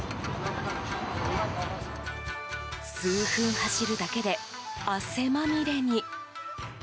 数分走るだけで汗まみれに。